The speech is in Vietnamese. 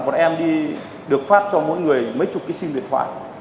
bọn em đi được phát cho mỗi người mấy chục cái sim điện thoại